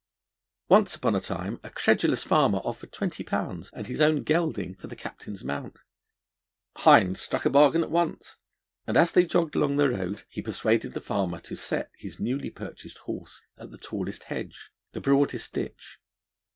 Once upon a time a credulous farmer offered twenty pounds and his own gelding for the Captain's mount. Hind struck a bargain at once, and as they jogged along the road he persuaded the farmer to set his newly purchased horse at the tallest hedge, the broadest ditch.